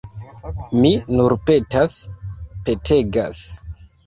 Mi nur petas, petegas.